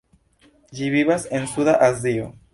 Ĝi vivas en Suda Azio.